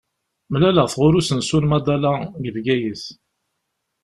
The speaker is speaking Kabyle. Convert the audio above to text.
Mlaleɣ-t ɣur usensu n Madala, deg Bgayet.